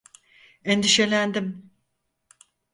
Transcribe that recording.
Endişelendim.